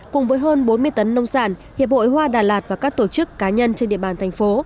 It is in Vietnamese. cùng với hơn bốn mươi tấn nông sản hiệp hội hoa đà lạt và các tổ chức cá nhân trên địa bàn thành phố